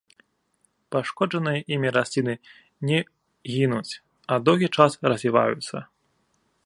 Пашкоджаныя імі расліны не гінуць, а доўгі час развіваюцца.